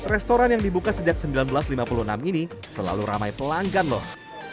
restoran yang dibuka sejak seribu sembilan ratus lima puluh enam ini selalu ramai pelanggan loh